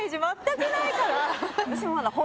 私まだ。